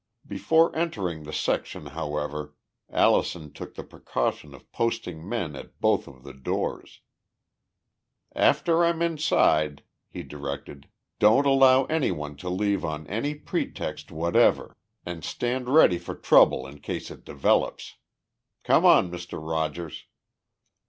Before entering the section, however, Allison took the precaution of posting men at both of the doors. "After I'm inside," he directed, "don't allow anyone to leave on any pretext whatever. And stand ready for trouble in case it develops. Come on, Mr. Rogers."